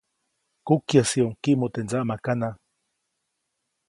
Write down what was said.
Kukyäjsiʼuŋ kiʼmu teʼ ndsaʼmakanaʼŋ.